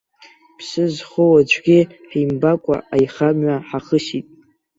Ԥсы зхоу аӡәгьы ҳимбакәа аихамҩа ҳахысит.